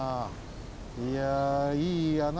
いやいい穴だ。